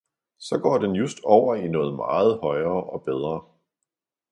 ' så går den just over i noget meget højere og bedre.